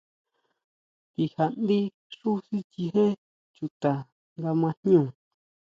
Ndija ndí xú sichijé chuta nga ma jñú.